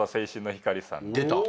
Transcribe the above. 出た！